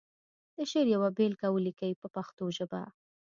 د شعر یوه بېلګه ولیکي په پښتو ژبه.